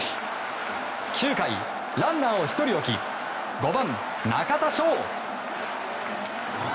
９回、ランナーを１人置き５番、中田翔。